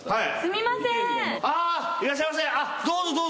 はい。